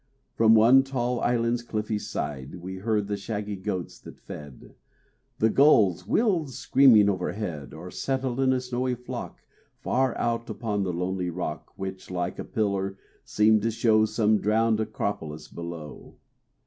From one tall island's cliffy side We heard the shaggy goats that fed: The gulls wheeled screaming overhead Or settled in a snowy flock Far out upon the lonely rock Which, like a pillar, seemed to show Some drowned acropolis below.